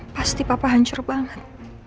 pasti papa hancur banget